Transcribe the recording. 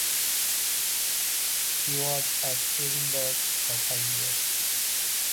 He was at Edinburgh for five years.